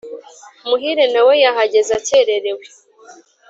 muhire nawe yahageze akererewe